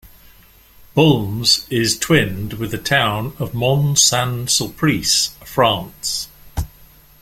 Baulmes is twinned with the town of Mont-Saint-Sulpice, France.